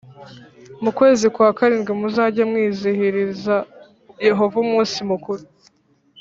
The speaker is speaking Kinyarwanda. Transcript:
Mu kwezi kwa karindwi muzajye mwizihiriza Yehova umunsi mukuru